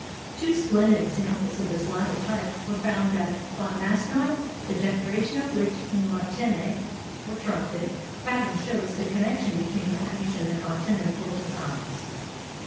Two splendid examples of this latter type were found at Clonmacnois, the decoration of which, in La Tène, or trumpet, pattern, shows the connection between the Irish and continental designs.